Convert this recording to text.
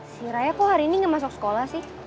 si raya kok hari ini enggak masuk sekolah sih